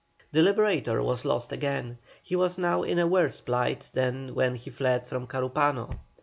The Liberator was lost again. He was now in a worse plight than when he fled from Carúpano.